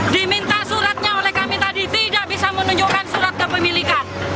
diminta suratnya oleh kami tadi tidak bisa menunjukkan surat kepemilikan